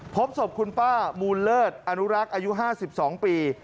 พบศพคุณป้ามูลเลิศอนุรักษ์อายุ๕๒ปี